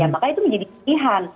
maka itu menjadi kelebihan